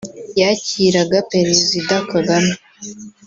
yakiraga Perezida Kagame